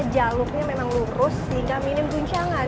jalurnya memang lurus sehingga minim guncangan